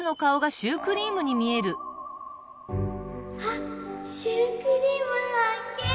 あっシュークリームはっけん！